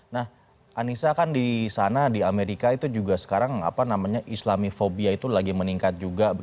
nah anissa kan di sana di amerika itu juga sekarang islamifobia itu lagi meningkat juga